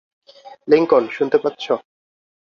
Lincoln, শুনতে পাচ্ছ?